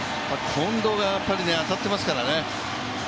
近藤が当たってますからね。